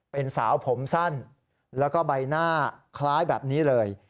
เป็นสาวผมสั้นแล้วก็ใบหน้าคล้ายแบบนี้เลย